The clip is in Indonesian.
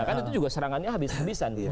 kan itu juga serangannya habis habisan